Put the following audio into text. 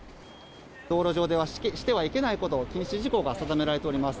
道路上ではしてはいけないことを禁止事項が定められております。